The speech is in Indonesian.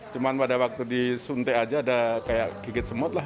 cuma pada waktu disuntik aja ada kayak gigit semut lah